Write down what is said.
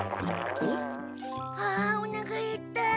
あおなかへった。